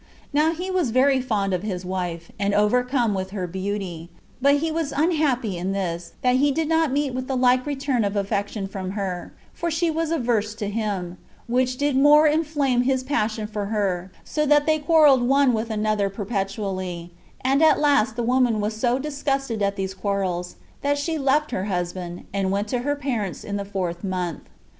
Now he was very fond of his wife, and overcome with her beauty; but he was unhappy in this, that he did not meet with the like return of affection from her, for she was averse to him, which did more inflame his passion for her, so that they quarreled one with another perpetually; and at last the woman was so disgusted at these quarrels, that she left her husband, and went to her parents in the fourth month.